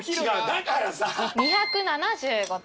２７５点。